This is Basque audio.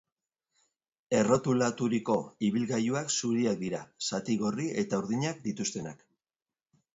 Errotulaturiko ibilgailuak zuriak dira, zati gorri eta urdinak dituztenak.